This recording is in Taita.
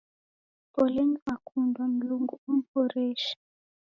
Polenyi w'akundwa, Mlungu umuhoreshe.